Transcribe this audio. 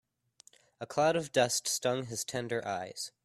A cloud of dust stung his tender eyes.